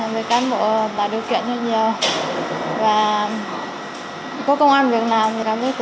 về cán bộ tạo điều kiện rất nhiều và có công an việc làm thì làm việc tự sống rất là vui